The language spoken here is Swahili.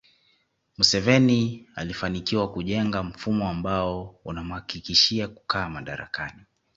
Museveni alifanikiwa kujenga mfumo ambao unamhakikishia kukaa madarakani